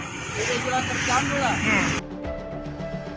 itu juga tercambur lah